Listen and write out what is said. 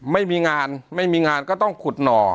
ไม่มีงานก็ต้องขุดหน่อ